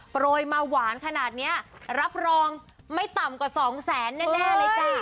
โปรยมาหวานขนาดนี้รับรองไม่ต่ำกว่าสองแสนแน่เลยจ้ะ